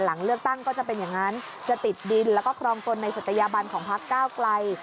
หลังเลือกตั้งก็จะเป็นอย่างนั้นจะติดดินแล้วก็ครองตนในศัตยาบันของพักก้าวไกล